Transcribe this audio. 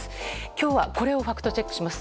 今日はこれをファクトチェックします。